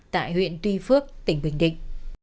tại huyện tuy phước tỉnh bình định